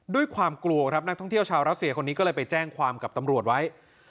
ด้วยความกลัวครับนักท่องเที่ยวชาวรัสเซียคนนี้ก็เลยไปแจ้งความกับตำรวจไว้